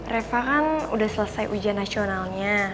reva kan udah selesai ujian nasionalnya